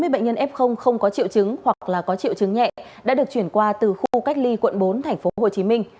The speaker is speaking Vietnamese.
bốn mươi bệnh nhân f không có triệu chứng hoặc là có triệu chứng nhẹ đã được chuyển qua từ khu cách ly quận bốn tp hcm